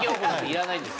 いらない。